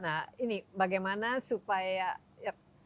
nah ini bagaimana supaya